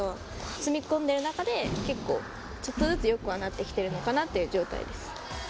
詰め込んでいる中で、結構ちょっとずつ、よくはなってきているのかなっていう状態です。